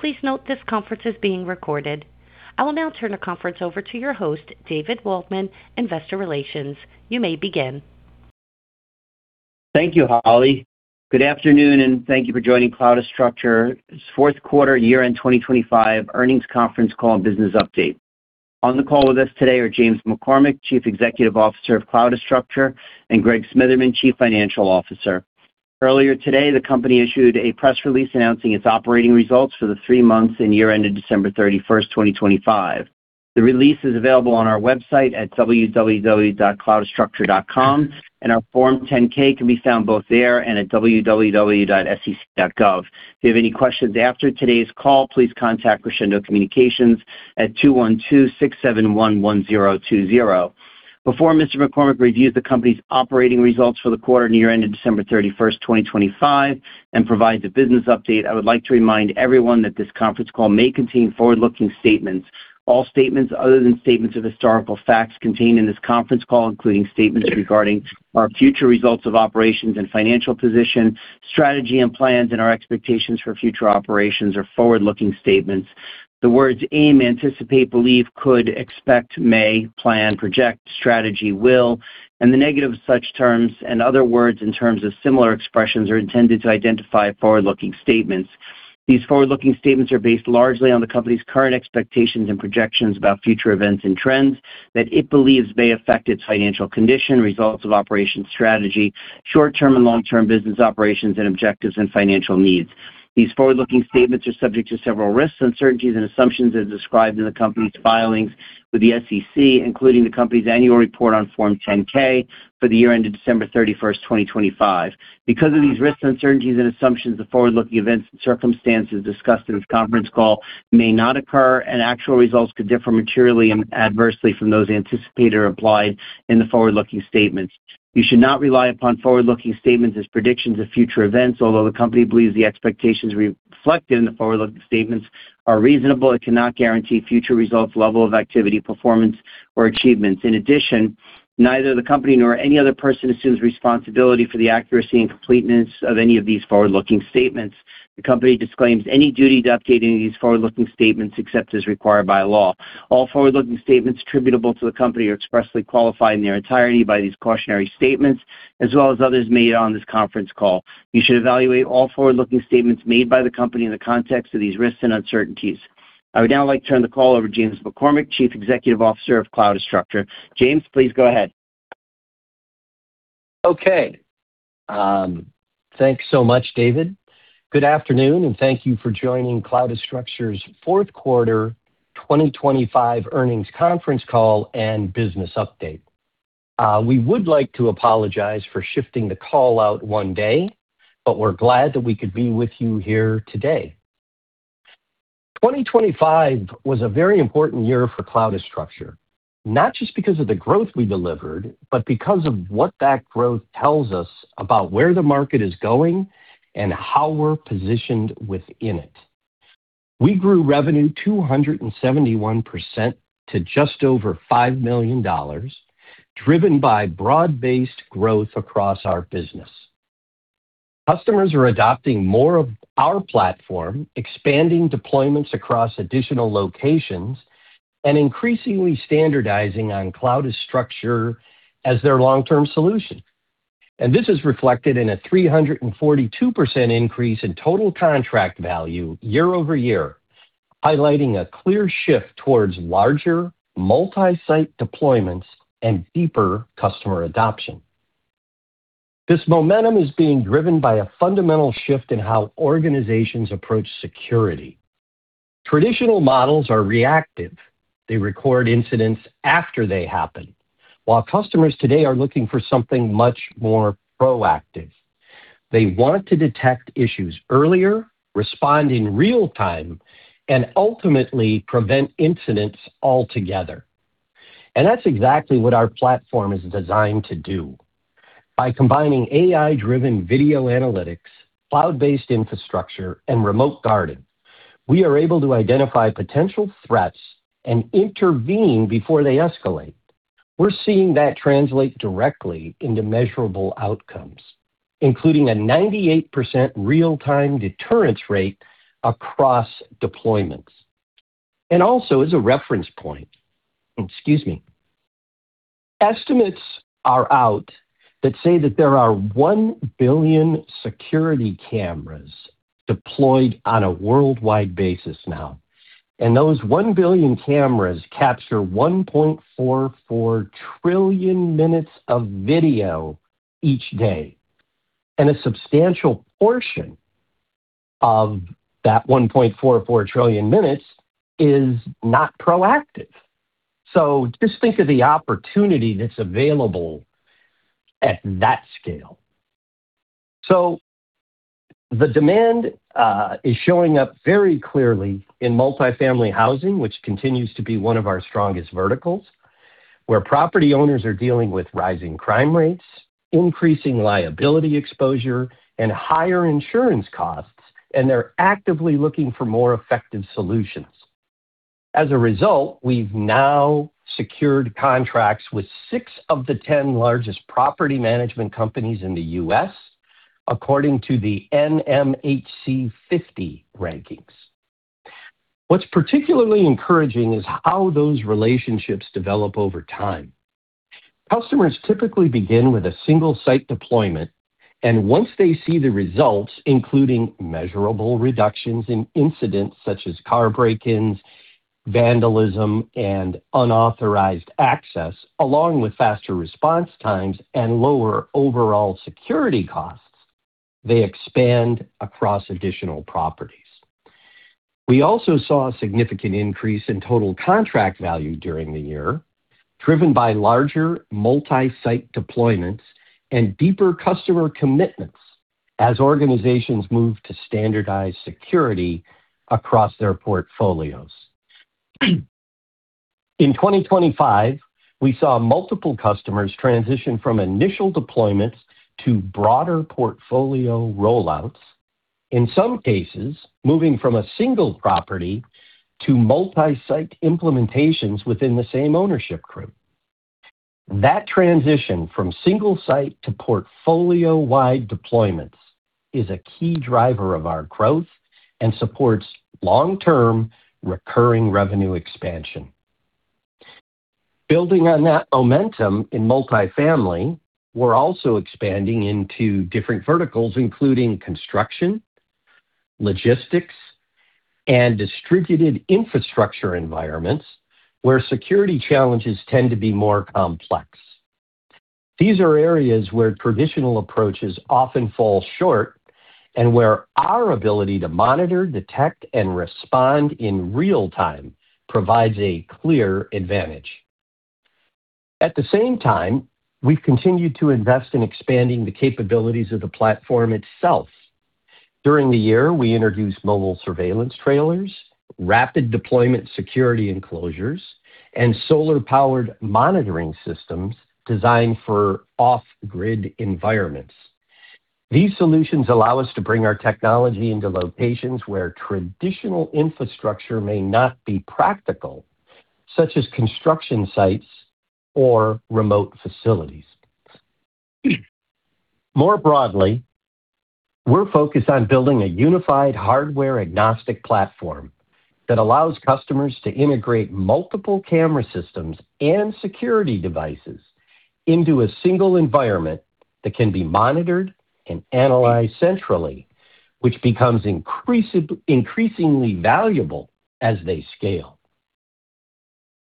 Please note this conference is being recorded. I will now turn the conference over to your host, David Waldman, Investor Relations. You may begin. Thank you, Holly. Good afternoon, and thank you for joining Cloudastructure's fourth quarter year-end 2025 earnings conference call and business update. On the call with us today are James McCormick, Chief Executive Officer of Cloudastructure, and Greg Smitherman, Chief Financial Officer. Earlier today, the company issued a press release announcing its operating results for the three months and year ended December 31st, 2025. The release is available on our website at www.cloudastructure.com, and our Form 10-K can be found both there and at www.sec.gov. If you have any questions after today's call, please contact Crescendo Communications at 212-671-1020. Before Mr. McCormick reviews the company's operating results for the quarter and year ended December 31st, 2025 and provides a business update, I would like to remind everyone that this conference call may contain forward-looking statements. All statements other than statements of historical facts contained in this conference call, including statements regarding our future results of operations and financial position, strategy and plans, and our expectations for future operations are forward-looking statements. The words aim, anticipate, believe, could, expect, may, plan, project, strategy, will, and the negatives of such terms and other words and terms of similar meaning are intended to identify forward-looking statements. These forward-looking statements are based largely on the company's current expectations and projections about future events and trends that it believes may affect its financial condition, results of operations, strategy, short-term and long-term business operations and objectives and financial needs. These forward-looking statements are subject to several risks, uncertainties and assumptions as described in the company's filings with the SEC, including the company's annual report on Form 10-K for the year ended December 31st, 2025. Because of these risks, uncertainties and assumptions, the forward-looking events and circumstances discussed in this conference call may not occur, and actual results could differ materially and adversely from those anticipated or implied in the forward-looking statements. You should not rely upon forward-looking statements as predictions of future events. Although the company believes the expectations reflected in the forward-looking statements are reasonable, it cannot guarantee future results, level of activity, performance, or achievements. In addition, neither the company nor any other person assumes responsibility for the accuracy and completeness of any of these forward-looking statements. The company disclaims any duty to update any of these forward-looking statements except as required by law. All forward-looking statements attributable to the company are expressly qualified in their entirety by these cautionary statements as well as others made on this conference call. You should evaluate all forward-looking statements made by the company in the context of these risks and uncertainties. I would now like to turn the call over to James McCormick, Chief Executive Officer of Cloudastructure. James, please go ahead. Okay, thanks so much, David. Good afternoon, and thank you for joining Cloudastructure's fourth quarter 2025 earnings conference call and business update. We would like to apologize for shifting the call out one day, but we're glad that we could be with you here today. 2025 was a very important year for Cloudastructure, not just because of the growth we delivered, but because of what that growth tells us about where the market is going and how we're positioned within it. We grew revenue 271% to just over $5 million, driven by broad-based growth across our business. Customers are adopting more of our platform, expanding deployments across additional locations, and increasingly standardizing on Cloudastructure as their long-term solution. This is reflected in a 342% increase in total contract value year-over-year, highlighting a clear shift towards larger multi-site deployments and deeper customer adoption. This momentum is being driven by a fundamental shift in how organizations approach security. Traditional models are reactive. They record incidents after they happen. While customers today are looking for something much more proactive. They want to detect issues earlier, respond in real time, and ultimately prevent incidents altogether. That's exactly what our platform is designed to do. By combining AI-driven video analytics, cloud-based infrastructure, and remote guarding, we are able to identify potential threats and intervene before they escalate. We're seeing that translate directly into measurable outcomes, including a 98% real-time deterrence rate across deployments. Also as a reference point. Excuse me. Estimates are out that say that there are 1 billion security cameras deployed on a worldwide basis now, and those 1 billion cameras capture 1.44 trillion minutes of video each day. A substantial portion of that 1.44 trillion minutes is not proactive. Just think of the opportunity that's available at that scale. The demand is showing up very clearly in multi-family housing, which continues to be one of our strongest verticals, where property owners are dealing with rising crime rates, increasing liability exposure, and higher insurance costs, and they're actively looking for more effective solutions. As a result, we've now secured contracts with six of the 10 largest property management companies in the U.S. according to the NMHC 50 rankings. What's particularly encouraging is how those relationships develop over time. Customers typically begin with a single site deployment, and once they see the results, including measurable reductions in incidents such as car break-ins, vandalism, and unauthorized access, along with faster response times and lower overall security costs, they expand across additional properties. We also saw a significant increase in total contract value during the year, driven by larger multi-site deployments and deeper customer commitments as organizations move to standardize security across their portfolios. In 2025, we saw multiple customers transition from initial deployments to broader portfolio rollouts, in some cases, moving from a single property to multi-site implementations within the same ownership group. That transition from single site to portfolio-wide deployments is a key driver of our growth and supports long-term recurring revenue expansion. Building on that momentum in multifamily, we're also expanding into different verticals, including construction, logistics, and distributed infrastructure environments where security challenges tend to be more complex. These are areas where traditional approaches often fall short and where our ability to monitor, detect, and respond in real time provides a clear advantage. At the same time, we've continued to invest in expanding the capabilities of the platform itself. During the year, we introduced Mobile Surveillance Trailers, rapidly deployment security enclosures, and solar-powered monitoring systems designed for off-grid environments. These solutions allow us to bring our technology into locations where traditional infrastructure may not be practical, such as construction sites or remote facilities. More broadly, we're focused on building a unified hardware-agnostic platform that allows customers to integrate multiple camera systems and security devices into a single environment that can be monitored and analyzed centrally, which becomes increasingly valuable as they scale.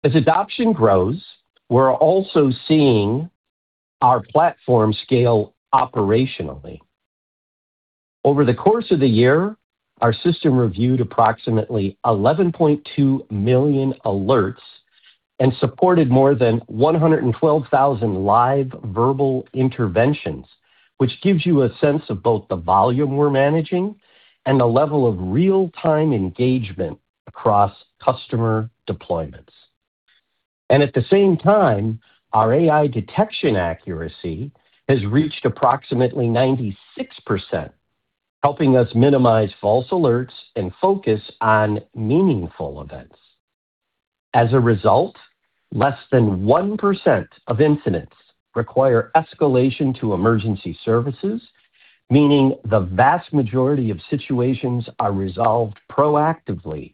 As adoption grows, we're also seeing our platform scale operationally. Over the course of the year, our system reviewed approximately 11.2 million alerts and supported more than 112,000 live verbal interventions, which gives you a sense of both the volume we're managing and the level of real-time engagement across customer deployments. At the same time, our AI detection accuracy has reached approximately 96%, helping us minimize false alerts and focus on meaningful events. As a result, less than 1% of incidents require escalation to emergency services, meaning the vast majority of situations are resolved proactively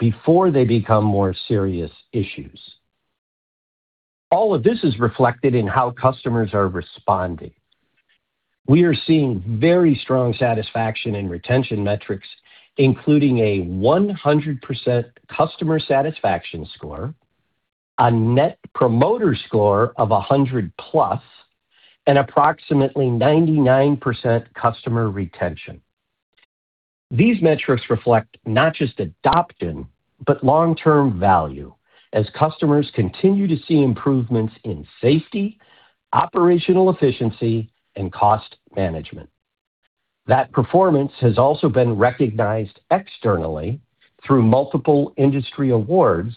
before they become more serious issues. All of this is reflected in how customers are responding. We are seeing very strong satisfaction in retention metrics, including a 100% customer satisfaction score, a Net Promoter Score of 100+, and approximately 99% customer retention. These metrics reflect not just adoption, but long-term value as customers continue to see improvements in safety, operational efficiency, and cost management. That performance has also been recognized externally through multiple industry awards,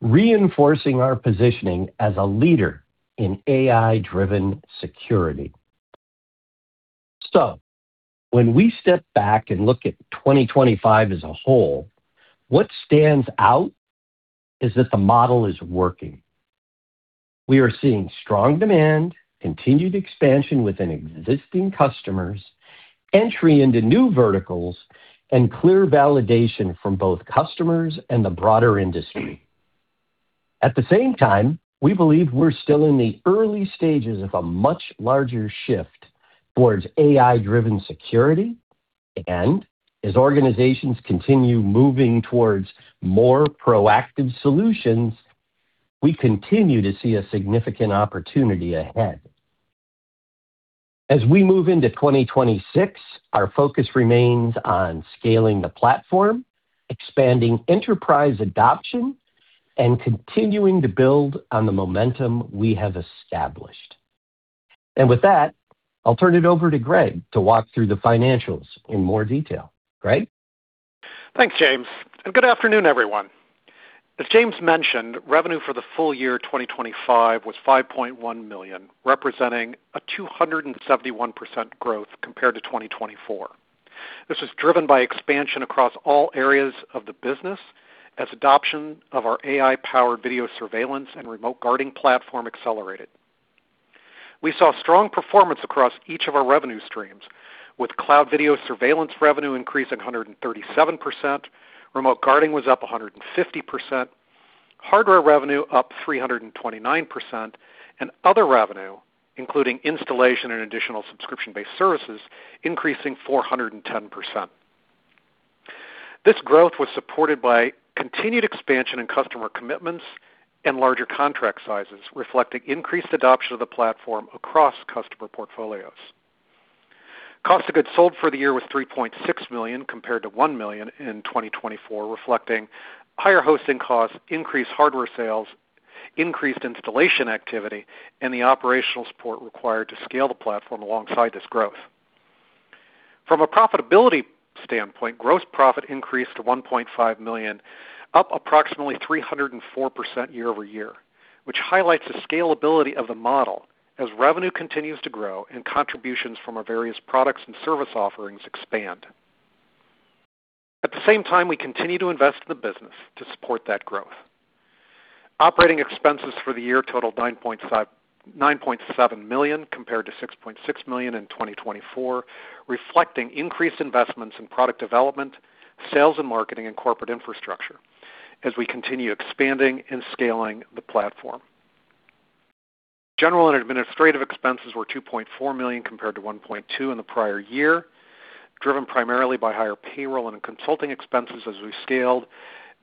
reinforcing our positioning as a leader in AI-driven security. When we step back and look at 2025 as a whole, what stands out is that the model is working. We are seeing strong demand, continued expansion within existing customers, entry into new verticals, and clear validation from both customers and the broader industry. At the same time, we believe we're still in the early stages of a much larger shift towards AI-driven security. As organizations continue moving towards more proactive solutions, we continue to see a significant opportunity ahead. As we move into 2026, our focus remains on scaling the platform, expanding enterprise adoption, and continuing to build on the momentum we have established. With that, I'll turn it over to Greg to walk through the financials in more detail. Greg? Thanks, James, and good afternoon, everyone. As James mentioned, revenue for the full year 2025 was $5.1 million, representing a 271% growth compared to 2024. This was driven by expansion across all areas of the business as adoption of our AI-powered video surveillance and remote guarding platform accelerated. We saw strong performance across each of our revenue streams, with cloud video surveillance revenue increasing 137%, remote guarding was up 150%, hardware revenue up 329%, and other revenue, including installation and additional subscription-based services, increasing 410%. This growth was supported by continued expansion in customer commitments and larger contract sizes, reflecting increased adoption of the platform across customer portfolios. Cost of goods sold for the year was $3.6 million, compared to $1 million in 2024, reflecting higher hosting costs, increased hardware sales, increased installation activity, and the operational support required to scale the platform alongside this growth. From a profitability standpoint, gross profit increased to $1.5 million, up approximately 304% year-over-year, which highlights the scalability of the model as revenue continues to grow and contributions from our various products and service offerings expand. At the same time, we continue to invest in the business to support that growth. Operating expenses for the year totaled $9.7 million, compared to $6.6 million in 2024, reflecting increased investments in product development, sales and marketing, and corporate infrastructure as we continue expanding and scaling the platform. General and administrative expenses were $2.4 million compared to $1.2 million in the prior year, driven primarily by higher payroll and consulting expenses as we scaled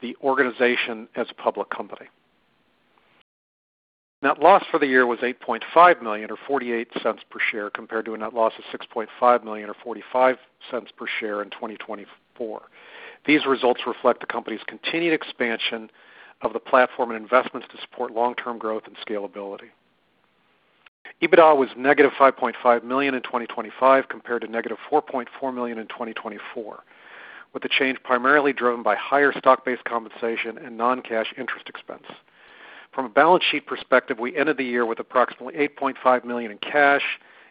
the organization as a public company. Net loss for the year was $8.5 million or $0.48 per share, compared to a net loss of $6.5 million or $0.45 per share in 2024. These results reflect the company's continued expansion of the platform and investments to support long-term growth and scalability. EBITDA was -$5.5 million in 2025 compared to -$4.4 million in 2024, with the change primarily driven by higher stock-based compensation and non-cash interest expense. From a balance sheet perspective, we ended the year with approximately $8.5 million in cash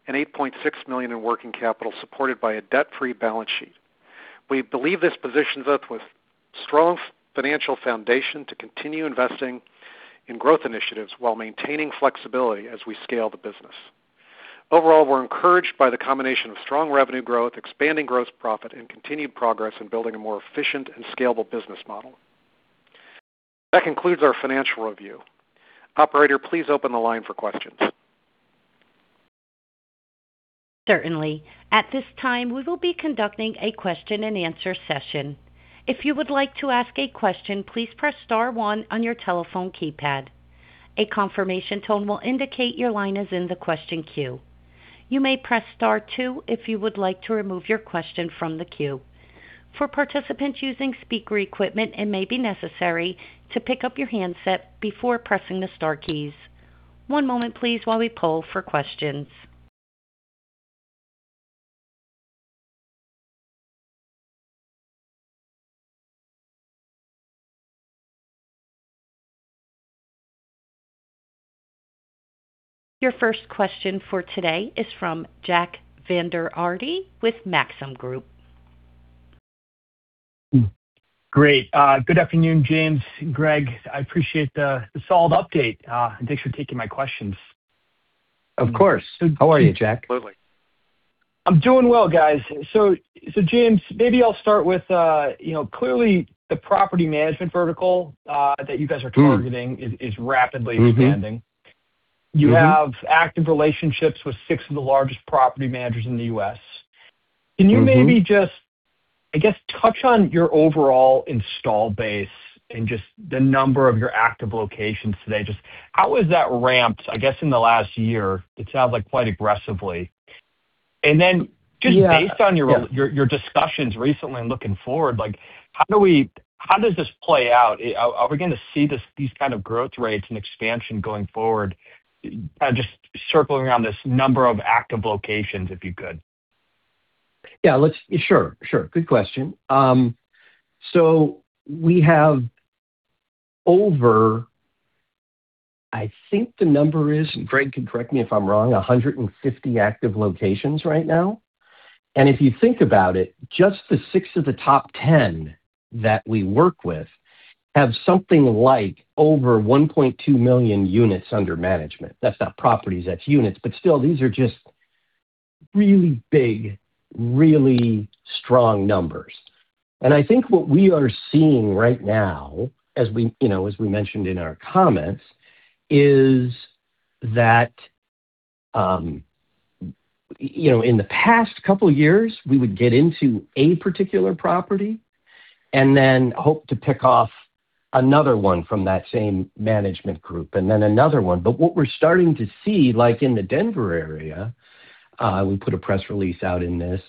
and $8.6 million in working capital, supported by a debt-free balance sheet. We believe this positions us with strong financial foundation to continue investing in growth initiatives while maintaining flexibility as we scale the business. Overall, we're encouraged by the combination of strong revenue growth, expanding gross profit, and continued progress in building a more efficient and scalable business model. That concludes our financial review. Operator, please open the line for questions. Certainly. At this time, we will be conducting a question-and-answer session. If you would like to ask a question, please press star one on your telephone keypad. A confirmation tone will indicate your line is in the question queue. You may press star two if you would like to remove your question from the queue. For participants using speaker equipment, it may be necessary to pick up your handset before pressing the star keys. One moment please while we poll for questions. Your first question for today is from Jack Vander Aarde with Maxim Group. Great. Good afternoon, James, Greg. I appreciate the solid update. Thanks for taking my questions. Of course. How are you, Jack? I'm doing well, guys. James, maybe I'll start with, you know, clearly the property management vertical that you guys are targeting is rapidly expanding. You have active relationships with six of the largest property managers in the U.S. Can you maybe just, I guess, touch on your overall install base and just the number of your active locations today? Just how has that ramped, I guess, in the last year? It sounds like quite aggressively. Then just based on your discussions recently and looking forward, like how does this play out? Are we gonna see these kind of growth rates and expansion going forward? Just circling around this number of active locations, if you could. Sure. Sure. Good question. We have over, I think the number is, and Greg can correct me if I'm wrong, 150 active locations right now. If you think about it, just the six of the top 10 that we work with have something like over 1.2 million units under management. That's not properties, that's units. Still, these are just really big, really strong numbers. I think, what we are seeing right now, as we, you know, as we mentioned in our comments, is that, you know, in the past couple years, we would get into a particular property and then hope to pick off another one from that same management group and then another one. What we're starting to see, like in the Denver area, we put a press release out in this,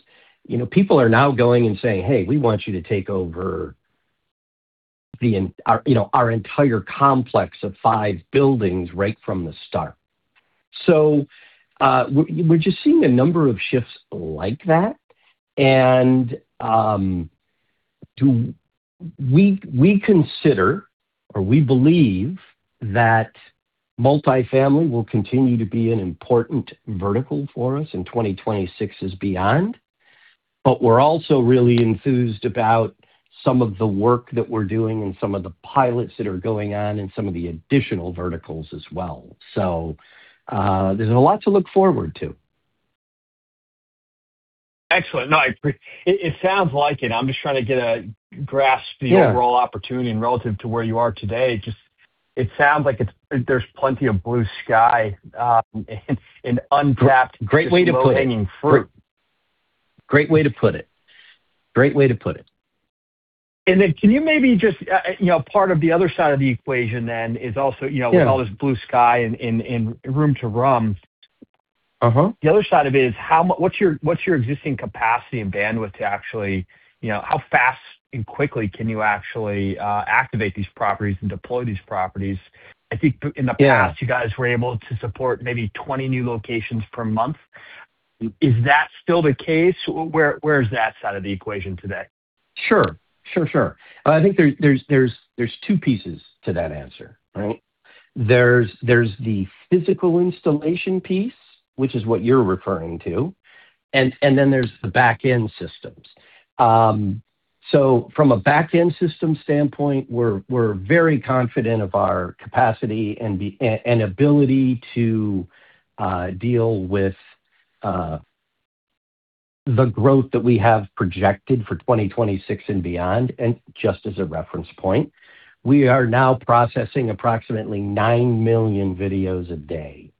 you know, people are now going and saying, "Hey, we want you to take over our, you know, our entire complex of five buildings right from the start." We're just seeing a number of shifts like that. We consider or we believe that multifamily will continue to be an important vertical for us in 2026 and beyond, but we're also really enthused about some of the work that we're doing and some of the pilots that are going on in some of the additional verticals as well. There's a lot to look forward to. Excellent. No, it sounds like it. I'm just trying to get a grasp the overall opportunity and relative to where you are today. There's plenty of blue sky and untapped low-hanging fruit. Great way to put it. Can you maybe just, you know, part of the other side of the equation then is also, you know, with all this blue sky and room to run. The other side of it is what's your existing capacity and bandwidth to actually, you know, how fast and quickly can you actually activate these properties and deploy these properties? Yeah. I think in the past, you guys were able to support maybe 20 new locations per month. Is that still the case? Where is that side of the equation today? Sure. I think there's two pieces to that answer, right? There's the physical installation piece, which is what you're referring to, and then there's the back-end systems. From a back-end system standpoint, we're very confident of our capacity and the ability to deal with the growth that we have projected for 2026 and beyond. Just as a reference point, we are now processing approximately 9 million videos a day,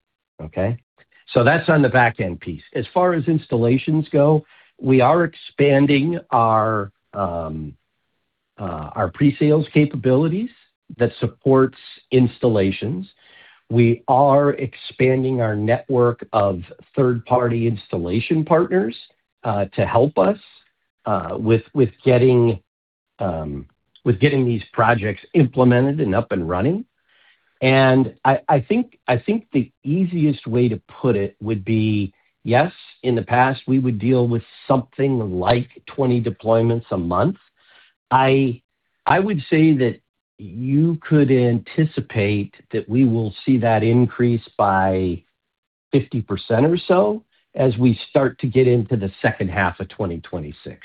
okay? That's on the back-end piece. As far as installations go, we are expanding our pre-sales capabilities that supports installations. We are expanding our network of third-party installation partners to help us with getting these projects implemented and up and running. I think, the easiest way to put it would be, yes, in the past, we would deal with something like 20 deployments a month. I would say that you could anticipate that we will see that increase by 50% or so as we start to get into the second half of 2026.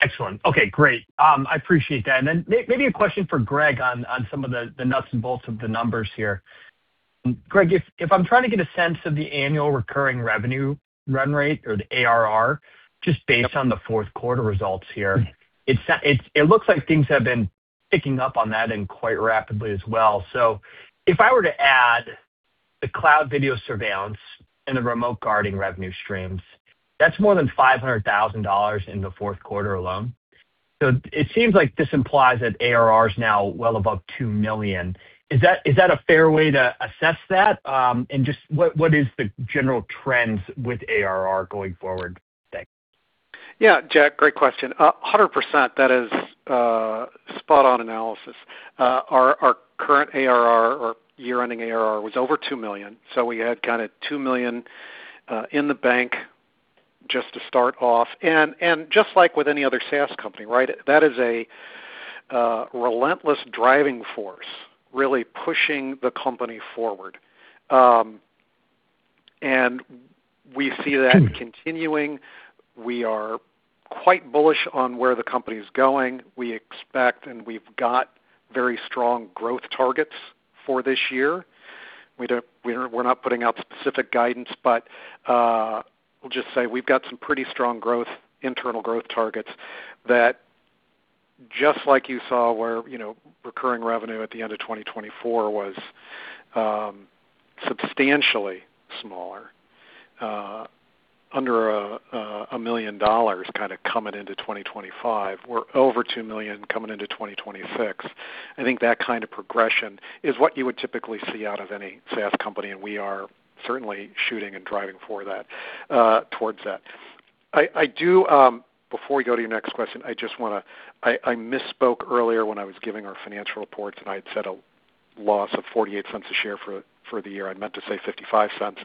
Excellent. Okay, great. I appreciate that. Maybe a question for Greg on some of the nuts and bolts of the numbers here. Greg, if I'm trying to get a sense of the annual recurring revenue run rate or the ARR, just based on the fourth quarter results here, it looks like things have been picking up on that end quite rapidly as well. If I were to add the cloud video surveillance and the remote guarding revenue streams, that's more than $500,000 in the fourth quarter alone. It seems like this implies that ARR is now well above $2 million. Is that a fair way to assess that? Just what is the general trends with ARR going forward? Thanks. Yeah. Jack, great question. 100%, that is spot on analysis. Our current ARR or year-ending ARR was over $2 million. So we had kinda $2 million in the bank just to start off. Just like with any other SaaS company, right, that is a relentless driving force, really pushing the company forward. We see that continuing. We are quite bullish on where the company is going. We expect, and we've got very strong growth targets for this year. We're not putting out specific guidance, but we'll just say we've got some pretty strong growth, internal growth targets that just like you saw where, you know, recurring revenue at the end of 2024 was substantially smaller, under $1 million kinda coming into 2025. We're over $2 million coming into 2026. I think that kind of progression is what you would typically see out of any SaaS company, and we are certainly shooting and driving for that, towards that. Before we go to your next question, I just wanna. I misspoke earlier when I was giving our financial reports, and I had said a loss of $0.48 a share for the year. I meant to say $0.55.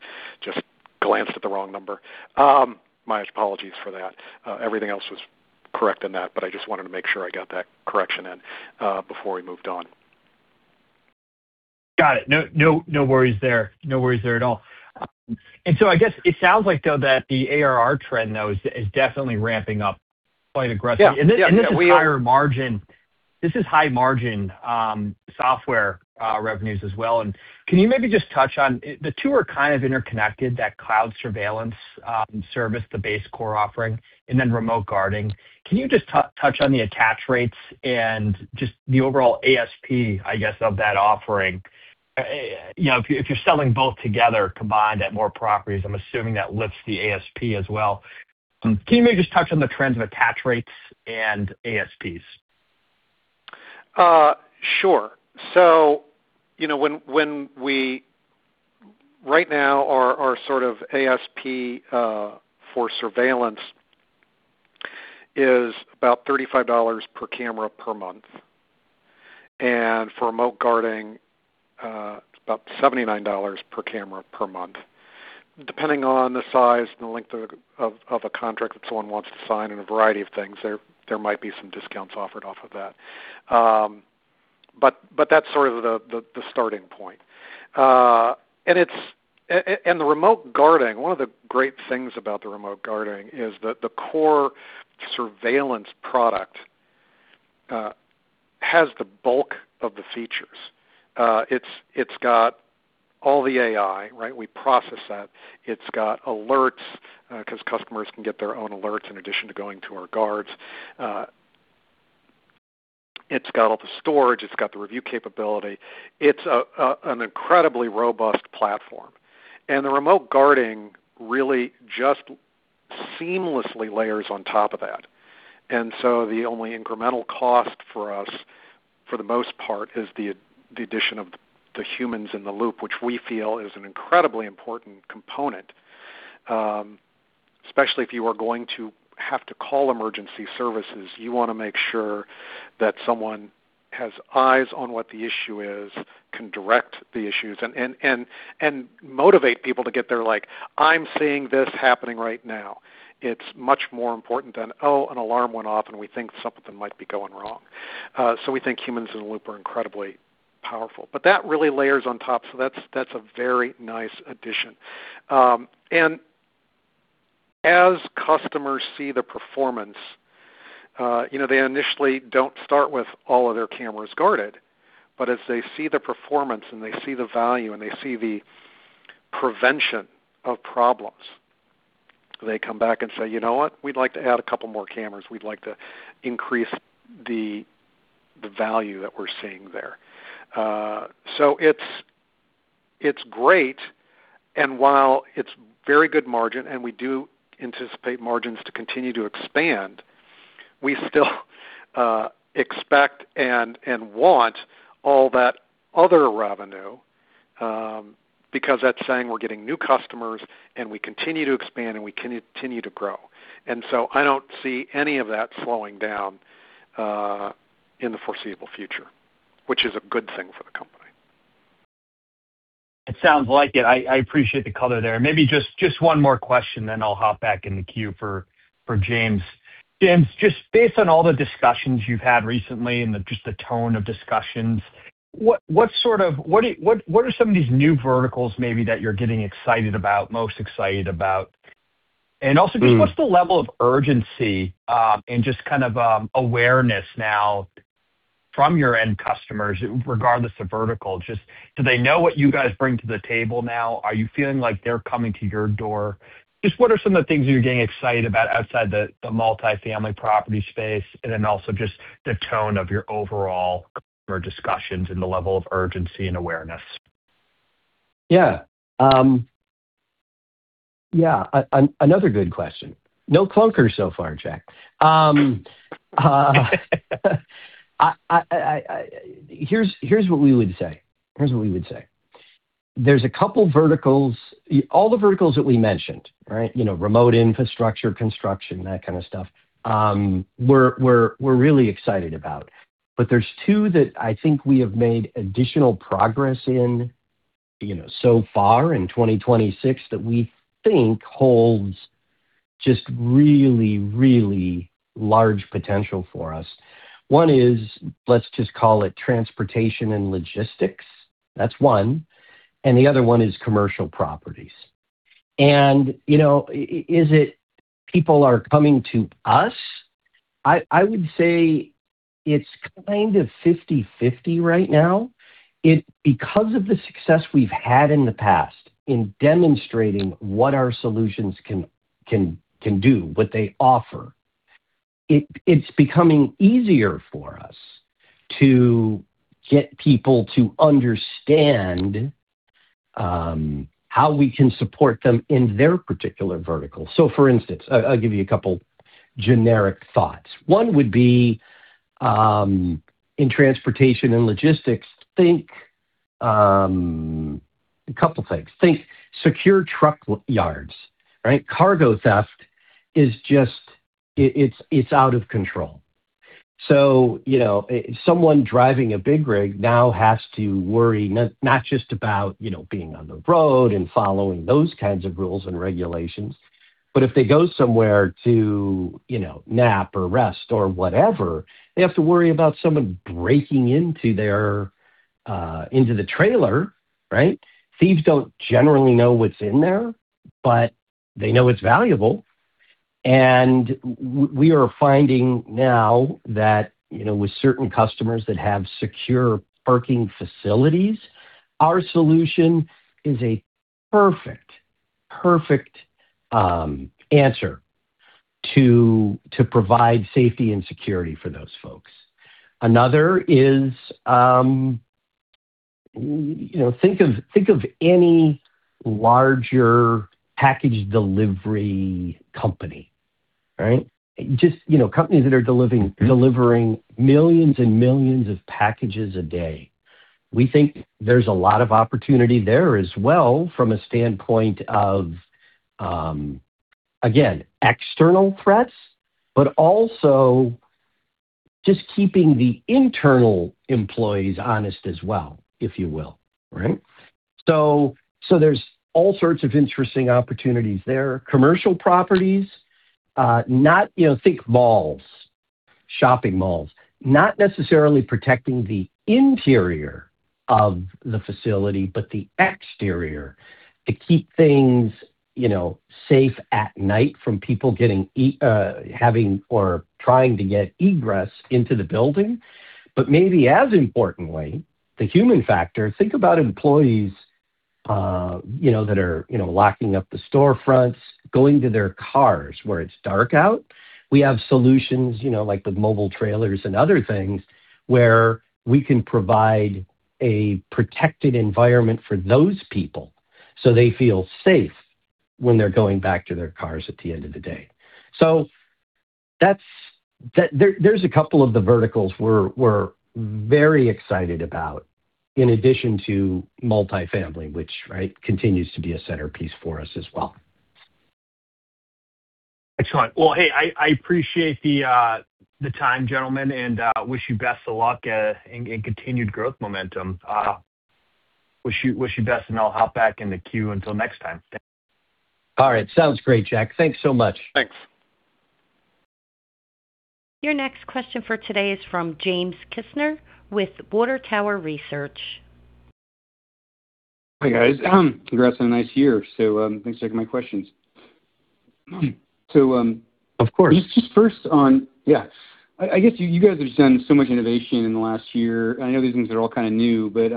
Just glanced at the wrong number. My apologies for that. Everything else was correct in that, but I just wanted to make sure I got that correction in, before we moved on. Got it. No worries there. No worries there at all. I guess it sounds like, though, that the ARR trend, though, is definitely ramping up quite aggressively. Yeah. This is higher margin. This is high margin software revenues as well. Can you maybe just touch on the two are kind of interconnected, that cloud surveillance service, the base core offering, and then remote guarding. Can you just touch on the attach rates and just the overall ASP, I guess, of that offering? You know, if you're selling both together combined at more properties, I'm assuming that lifts the ASP as well. Can you maybe just touch on the trends of attach rates and ASPs? Sure. You know, right now our sort of ASP for surveillance is about $35 per camera per month. For remote guarding, about $79 per camera per month. Depending on the size and the length of a contract that someone wants to sign and a variety of things, there might be some discounts offered off of that. That's sort of the starting point. The remote guarding, one of the great things about the remote guarding is that the core surveillance product has the bulk of the features. It's got all the AI, right? We process that. It's got alerts, 'cause customers can get their own alerts in addition to going to our guards. It's got all the storage, it's got the review capability. It's an incredibly robust platform, and the remote guarding really just seamlessly layers on top of that. The only incremental cost for us, for the most part, is the addition of the humans in the loop, which we feel is an incredibly important component. Especially if you are going to have to call emergency services. You wanna make sure that someone has eyes on what the issue is, can direct the issues and motivate people to get there like, "I'm seeing this happening right now." It's much more important than, "Oh, an alarm went off, and we think something might be going wrong." We think humans in the loop are incredibly powerful. That really layers on top. That's a very nice addition. As customers see the performance, you know, they initially don't start with all of their cameras guarded. As they see the performance and they see the value and they see the prevention of problems, they come back and say, "You know what? We'd like to add a couple more cameras. We'd like to increase the value that we're seeing there." It's great. While it's very good margin, and we do anticipate margins to continue to expand, we still expect and want all that other revenue because that's saying we're getting new customers, and we continue to expand, and we continue to grow. I don't see any of that slowing down in the foreseeable future, which is a good thing for the company. It sounds like it. I appreciate the color there. Maybe just one more question, then I'll hop back in the queue for James. James, just based on all the discussions you've had recently and the tone of discussions, what are some of these new verticals maybe that you're getting excited about, most excited about? And also just what's the level of urgency and just kind of awareness now from your end customers, regardless of vertical? Just, do they know what you guys bring to the table now? Are you feeling like they're coming to your door? Just what are some of the things you're getting excited about outside the multifamily property space, and then also just the tone of your overall customer discussions and the level of urgency and awareness? Yeah. Another good question. No clunkers so far, Jack. Here's what we would say. There's a couple verticals. All the verticals that we mentioned, right? You know, remote infrastructure, construction, that kind of stuff, we're really excited about. There's two that I think we have made additional progress in, you know, so far in 2026 that we think holds just really, really large potential for us. One is, let's just call it transportation and logistics. That's one. And the other one is commercial properties. You know, is it people are coming to us? I would say it's kind of 50/50 right now. Because of the success we've had in the past in demonstrating what our solutions can do, what they offer, it's becoming easier for us to get people to understand how we can support them in their particular vertical. For instance, I'll give you a couple generic thoughts. One would be in transportation and logistics, think a couple things. Think secure truck yards, right? Cargo theft is just out of control. You know, someone driving a big rig now has to worry not just about, you know, being on the road and following those kinds of rules and regulations, but if they go somewhere to, you know, nap or rest or whatever, they have to worry about someone breaking into their trailer, right? Thieves don't generally know what's in there, but they know it's valuable. We are finding now that, you know, with certain customers that have secure parking facilities, our solution is a perfect answer to provide safety and security for those folks. Another is, you know, think of any larger package delivery company, right? Just, you know, companies that are delivering millions and millions of packages a day. We think there's a lot of opportunity there as well from a standpoint of, again, external threats, but also just keeping the internal employees honest as well, if you will, right? There's all sorts of interesting opportunities there. Commercial properties, not. You know, think malls, shopping malls. Not necessarily protecting the interior of the facility, but the exterior to keep things, you know, safe at night from people having or trying to get ingress into the building. Maybe as importantly, the human factor. Think about employees, you know, that are, you know, locking up the storefronts, going to their cars where it's dark out. We have solutions, you know, like the mobile trailers and other things where we can provide a protected environment for those people so they feel safe when they're going back to their cars at the end of the day. That's, there’s a couple of the verticals we're very excited about in addition to multifamily, which, right, continues to be a centerpiece for us as well. Excellent. Well, hey, I appreciate the time, gentlemen, and wish you best of luck and continued growth momentum. Wish you the best, and I'll hop back in the queue until next time. Thanks. All right. Sounds great, Jack. Thanks so much. Thanks. Your next question for today is from James Kisner with Water Tower Research. Hi, guys. Congrats on a nice year. Thanks for taking my questions. Of course. Just first on. Yeah. I guess you guys have done so much innovation in the last year. I know these things are all kinda new, but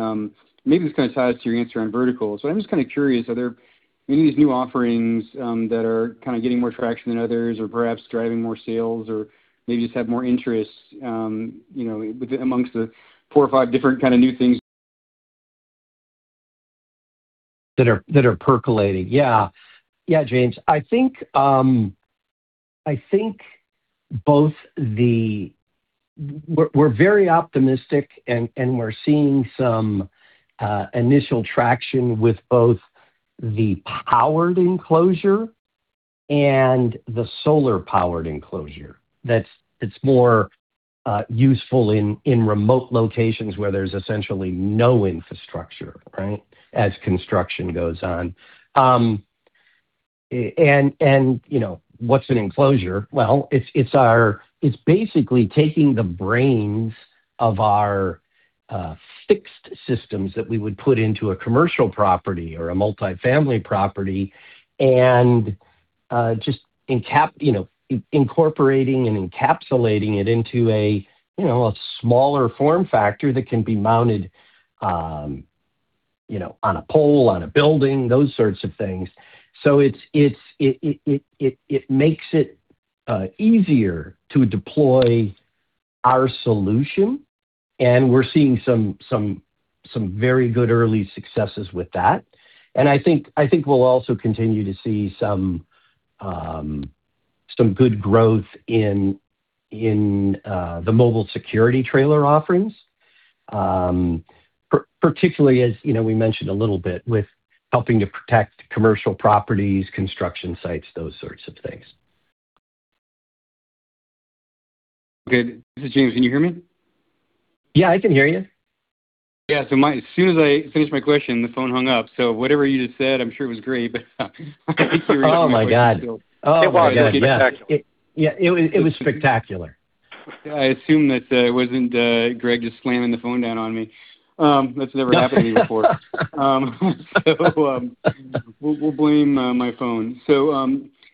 maybe this kinda ties to your answer on verticals. I'm just kinda curious, are there any of these new offerings that are kinda getting more traction than others or perhaps driving more sales or maybe just have more interest, you know, amongst the four or five different kinda new things? That are percolating. Yeah, James. I think both the, we’re very optimistic and we're seeing some initial traction with both the powered enclosure and the solar-powered enclosure. It's more useful in remote locations where there's essentially no infrastructure, right, as construction goes on. You know, what's an enclosure? Well, it's basically taking the brains of our fixed systems that we would put into a commercial property or a multifamily property and just incorporating and encapsulating it into a smaller form factor that can be mounted, you know, on a pole, on a building, those sorts of things. It makes it easier to deploy our solution, and we're seeing some very good early successes with that. I think we'll also continue to see some good growth in the mobile security trailer offerings, particularly as you know, we mentioned a little bit with helping to protect commercial properties, construction sites, those sorts of things. Good. This is James. Can you hear me? Yeah, I can hear you. Yeah. As soon as I finished my question, the phone hung up. Whatever you just said, I'm sure it was great, but I think you were. Oh my God. It was spectacular. Yeah, it was spectacular. I assume that it wasn't Greg just slamming the phone down on me. That's never happened to me before. We'll blame my phone.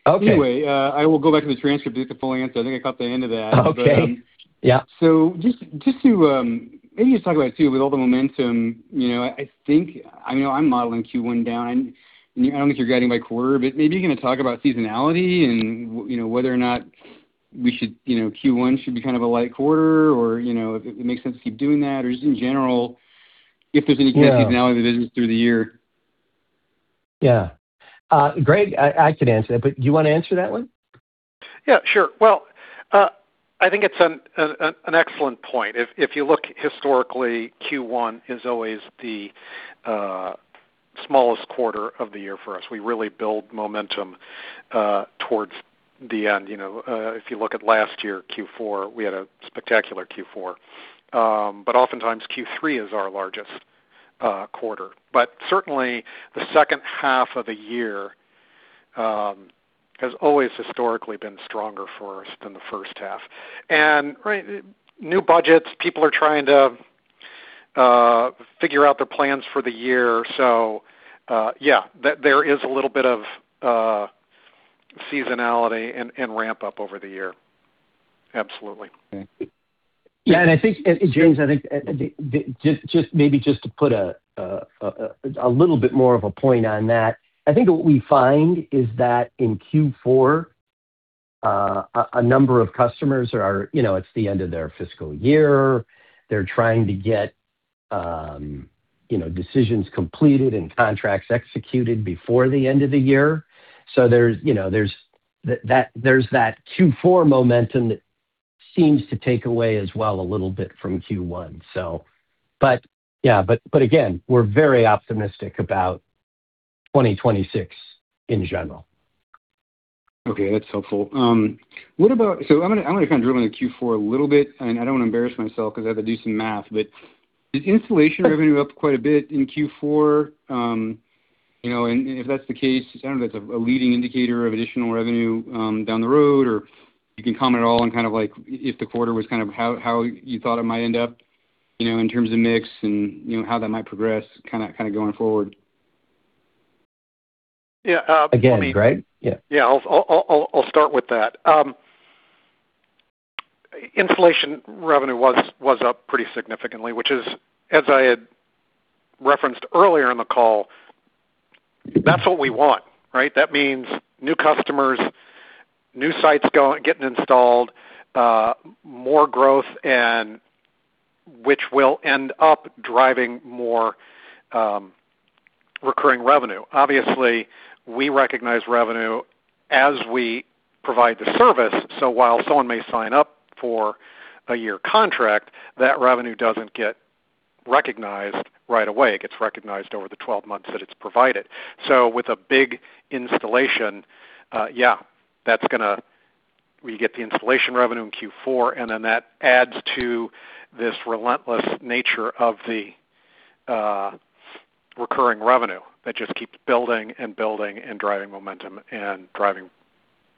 Okay. Anyway, I will go back to the transcript to get the full answer. I think I caught the end of that. Okay. Yeah. Just to maybe talk about too with all the momentum, you know, I think I know I'm modeling Q1 down. I don't think you're guiding by quarter, but maybe you can talk about seasonality and, you know, whether or not we should, you know, Q1 should be kind of a light quarter or, you know, it makes sense to keep doing that. Or just in general if there's any kind of seasonality business through the year? Yeah. Greg, I could answer that, but do you wanna answer that one? Yeah, sure. Well, I think it's an excellent point. If you look historically, Q1 is always the smallest quarter of the year for us. We really build momentum towards the end. You know, if you look at last year, Q4, we had a spectacular Q4. But oftentimes Q3 is our largest quarter. But certainly the second half of the year has always historically been stronger for us than the first half. Right, new budgets, people are trying to figure out their plans for the year. Yeah, there is a little bit of seasonality and ramp-up over the year. Absolutely. Okay. Yeah, James, I think just maybe to put a little bit more of a point on that. I think what we find is that in Q4, a number of customers are you know, it's the end of their fiscal year. They're trying to get you know, decisions completed and contracts executed before the end of the year. There's you know, there's that Q4 momentum that seems to take away as well a little bit from Q1. Yeah, again, we're very optimistic about 2026 in general. Okay. That's helpful. I'm gonna kind of drill into Q4 a little bit, and I don't wanna embarrass myself 'cause I have to do some math. Did installation revenue up quite a bit in Q4? You know, and if that's the case, I don't know if that's a leading indicator of additional revenue down the road, or you can comment at all on kind of like if the quarter was kind of how you thought it might end up, you know, in terms of mix and, you know, how that might progress kinda going forward? Yeah. Again, right? Yeah. Yeah. I'll start with that. Installation revenue was up pretty significantly, which is, as I had referenced earlier in the call, that's what we want, right? That means new customers, new sites getting installed, more growth, which will end up driving more recurring revenue. Obviously, we recognize revenue as we provide the service, so while someone may sign up for a year contract, that revenue doesn't get recognized right away. It gets recognized over the twelve months that it's provided. With a big installation, yeah, that's gonna. We get the installation revenue in Q4, and then that adds to this relentless nature of the recurring revenue that just keeps building and building, and driving momentum, and driving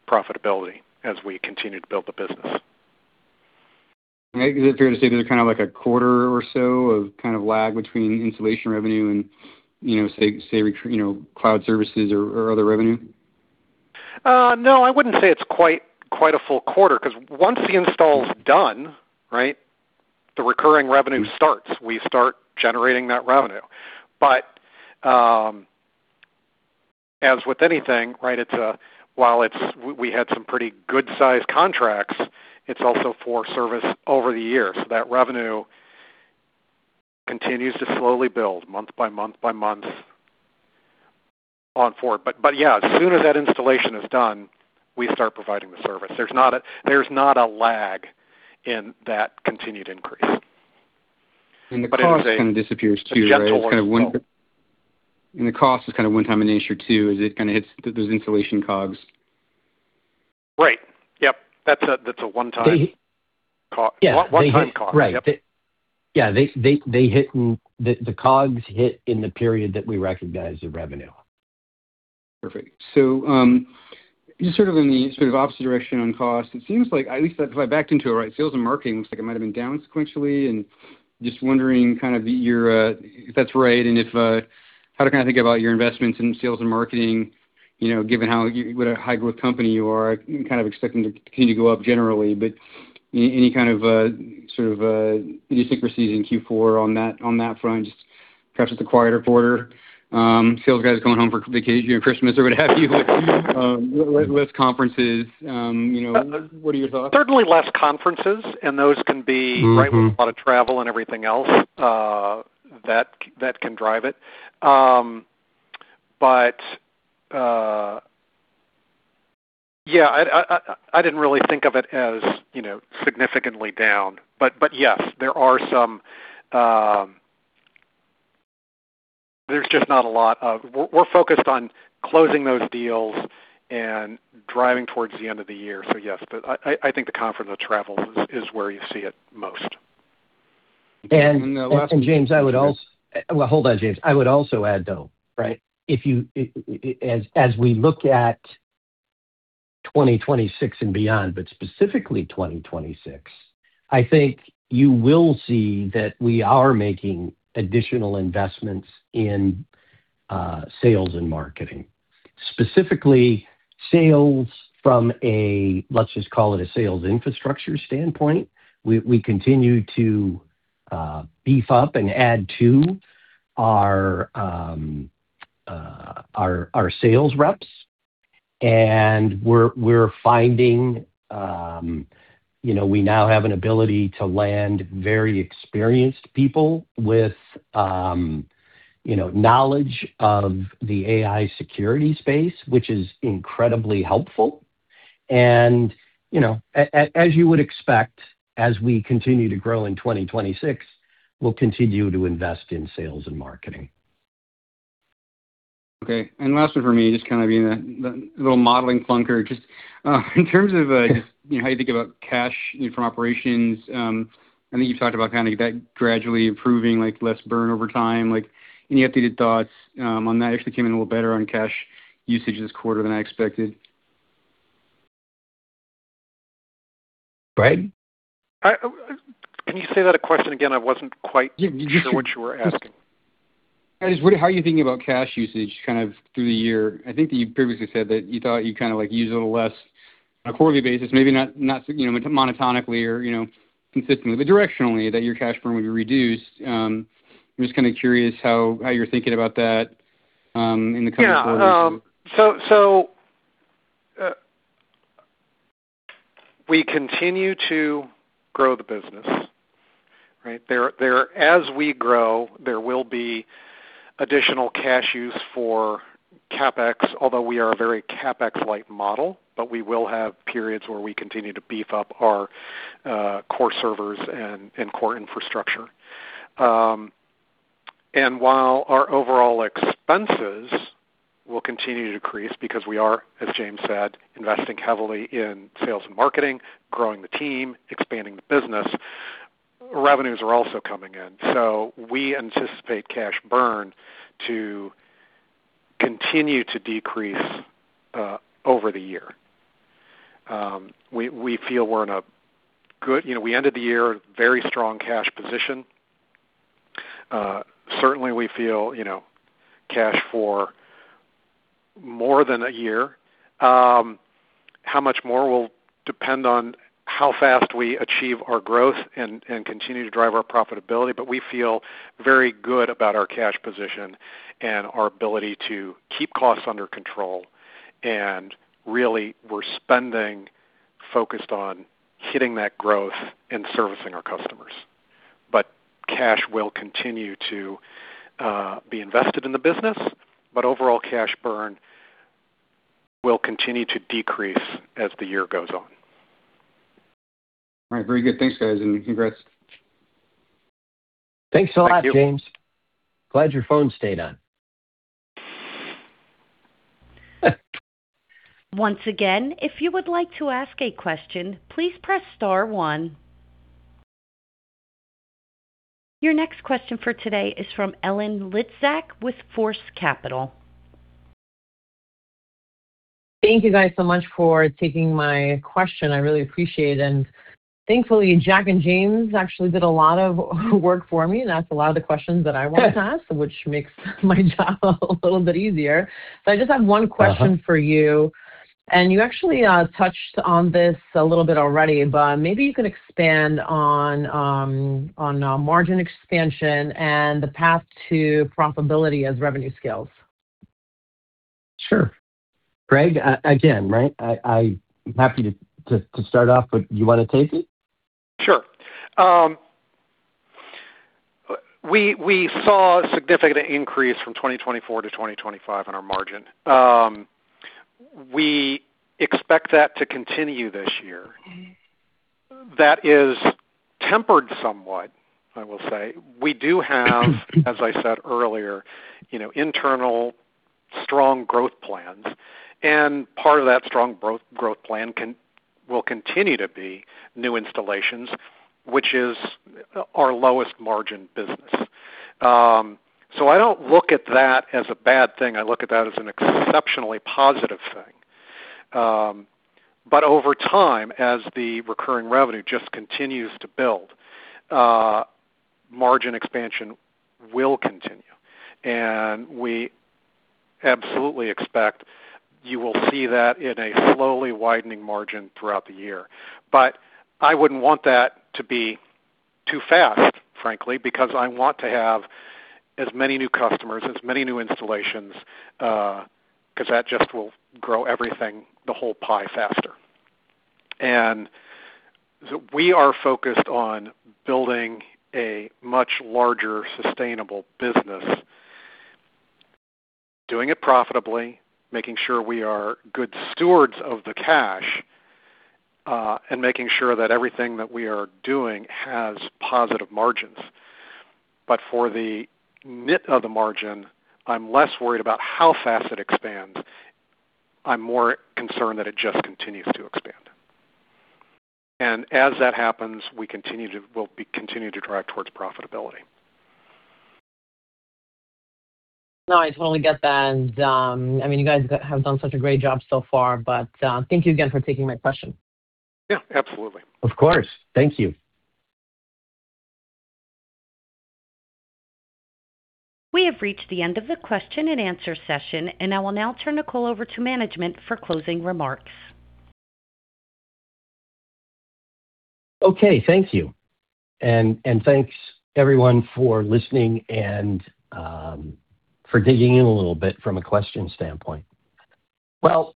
profitability as we continue to build the business. Is it fair to say there's kind of like a quarter or so of kind of lag between installation revenue and, you know, say, you know, cloud services or other revenue? No, I wouldn't say it's quite a full quarter 'cause once the install's done, right, the recurring revenue starts. We start generating that revenue. As with anything, right, we had some pretty good-sized contracts. It's also for service over the year. That revenue continues to slowly build month by month going forward. Yeah, as soon as that installation is done, we start providing the service. There's not a lag in that continued increase. The cost kind of disappears too, right? It's kind of one-, It's a gentle workflow. The cost is kind of one-time an issue too, as it kinda hits those installation COGS. Right. Yep. That's a one-time, one-time cost. Yep. The COGS hit in the period that we recognize the revenue. Perfect. Just sort of in the opposite direction on cost, it seems like at least if I backed into it, right, sales and marketing looks like it might have been down sequentially. Just wondering kind of your, if that's right and if how to kinda think about your investments in sales and marketing, you know, given how what a high growth company you are, kind of expecting to continue to go up generally. Any kind of sort of any seasonalities in Q4 on that, on that front, just perhaps it's a quieter quarter, sales guys going home for vacation during Christmas or what have you, less conferences, you know. What are your thoughts? Certainly less conferences, and those can be. Mm-hmm. Right, with a lot of travel and everything else that can drive it. Yeah, I didn't really think of it as, you know, significantly down. Yes, there are some. We're focused on closing those deals and driving towards the end of the year, so yes. I think the conference with travel is where you see it most. And then last. Well, hold on, James. I would also add, though, right? As we look at 2026 and beyond, but specifically 2026, I think, you will see that we are making additional investments in sales and marketing, specifically sales from a, let's just call it a sales infrastructure standpoint. We continue to beef up and add to our sales reps. And we're finding, you know, we now have an ability to land very experienced people with, you know, knowledge of the AI security space, which is incredibly helpful. And, you know, as you would expect, as we continue to grow in 2026, we'll continue to invest in sales and marketing. Okay. Last one for me, just kinda being a little modeling clunker. Just in terms of you know how you think about cash from operations, I think you've talked about kinda that gradually improving, like less burn over time. Like any updated thoughts on that? Actually came in a little better on cash usage this quarter than I expected. Greg? I, can you say that question again? I wasn't quite sure what you were asking. How are you thinking about cash usage kind of through the year? I think that you previously said that you thought you'd kinda like use a little less on a quarterly basis, maybe not, you know, monotonically or, you know, consistently, but directionally, that your cash burn would be reduced. I'm just kinda curious how you're thinking about that in the coming quarters. Yeah. We continue to grow the business. Right. As we grow, there will be additional cash use for CapEx, although we are a very CapEx-like model, but we will have periods where we continue to beef up our core servers and core infrastructure. While our overall expenses will continue to decrease because we are, as James said, investing heavily in sales and marketing, growing the team, expanding the business, revenues are also coming in. We anticipate cash burn to continue to decrease over the year. We feel we're in a good. You know, we ended the year with a very strong cash position. Certainly we feel, you know, we have cash for more than a year. How much more will depend on how fast we achieve our growth and continue to drive our profitability. We feel very good about our cash position and our ability to keep costs under control. Really, we're spending focused on hitting that growth and servicing our customers. Cash will continue to be invested in the business, but overall cash burn will continue to decrease as the year goes on. All right. Very good. Thanks, guys, and congrats. Thanks a lot, James. Glad your phone stayed on. Once again, if you would like to ask a question, please press star one. Your next question for today is from Ellen Liczak with Force Capital. Thank you guys so much for taking my question. I really appreciate it. Thankfully, Jack and James actually did a lot of work for me, and that's a lot of the questions that I want to ask, which makes my job a little bit easier. I just have one question for you, and you actually touched on this a little bit already, but maybe you could expand on margin expansion and the path to profitability as revenue scales. Sure. Greg, again, right, I am happy to start off, but do you wanna take it? Sure. We saw a significant increase from 2024 to 2025 on our margin. We expect that to continue this year. That is tempered somewhat, I will say. We do have, as I said earlier, you know, internal strong growth plans, and part of that strong growth plan will continue to be new installations, which is our lowest margin business. I don't look at that as a bad thing. I look at that as an exceptionally positive thing. Over time, as the recurring revenue just continues to build, margin expansion will continue. We absolutely expect you will see that in a slowly widening margin throughout the year. I wouldn't want that to be too fast, frankly, because I want to have as many new customers, as many new installations, 'cause that just will grow everything, the whole pie faster. We are focused on building a much larger, sustainable business, doing it profitably, making sure we are good stewards of the cash, and making sure that everything that we are doing has positive margins. For the nit of the margin, I'm less worried about how fast it expands. I'm more concerned that it just continues to expand. As that happens, we continue to drive towards profitability. No, I totally get that. I mean, you guys have done such a great job so far, but thank you again for taking my question. Yeah, absolutely. Of course. Thank you. We have reached the end of the question and answer session, and I will now turn the call over to management for closing remarks. Okay. Thank you. Thanks everyone for listening and for digging in a little bit from a question standpoint. Well,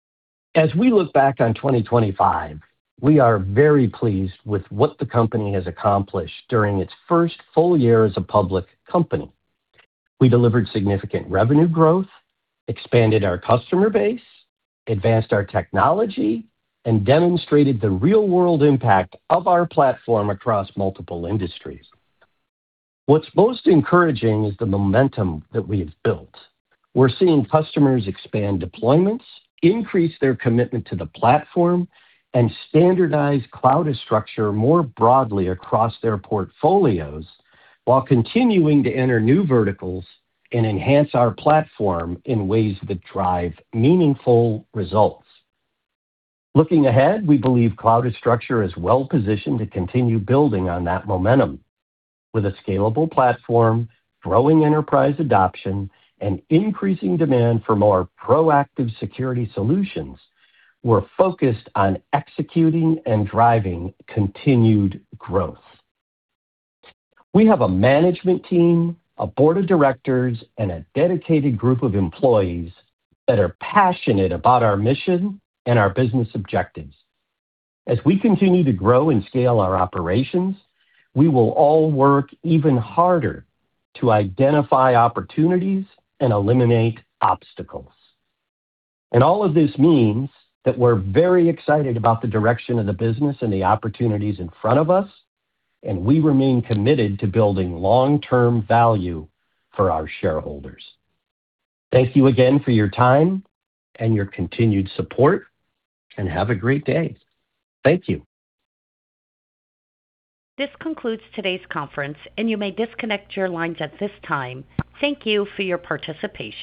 as we look back on 2025, we are very pleased with what the company has accomplished during its first full year as a public company. We delivered significant revenue growth, expanded our customer base, advanced our technology, and demonstrated the real-world impact of our platform across multiple industries. What's most encouraging is the momentum that we've built. We're seeing customers expand deployments, increase their commitment to the platform, and standardize Cloudastructure more broadly across their portfolios, while continuing to enter new verticals and enhance our platform in ways that drive meaningful results. Looking ahead, we believe Cloudastructure is well-positioned to continue building on that momentum. With a scalable platform, growing enterprise adoption, and increasing demand for more proactive security solutions, we're focused on executing and driving continued growth. We have a management team, a board of directors, and a dedicated group of employees that are passionate about our mission and our business objectives. As we continue to grow and scale our operations, we will all work even harder to identify opportunities and eliminate obstacles. All of this means that we're very excited about the direction of the business and the opportunities in front of us, and we remain committed to building long-term value for our shareholders. Thank you again for your time and your continued support, and have a great day. Thank you. This concludes today's conference, and you may disconnect your lines at this time. Thank you for your participation.